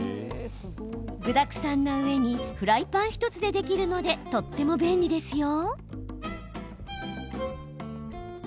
具だくさんなうえにフライパン１つでできるのでとっても便利ですよ。